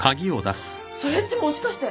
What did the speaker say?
それっちもしかして。